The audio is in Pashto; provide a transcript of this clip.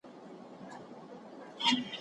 څوک د نېکمرغۍ په تمه خپلي شته ورځنۍ چاري پرېږدي؟